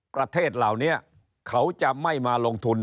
ประเทศเหล่านี้เขาจะไม่มาลงทุน